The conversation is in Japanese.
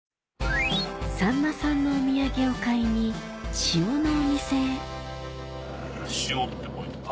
さんまさんのお土産を買いに塩のお店へ「塩」って書いてる。